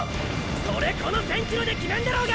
それこの１，０００ｋｍで決めんだろうが！